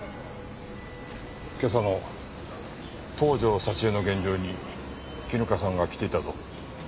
今朝の東条沙知絵の現場に絹香さんが来ていたぞ。